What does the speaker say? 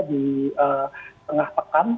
di tengah pekan